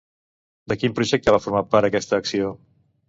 De quin projecte va formar part aquesta acció?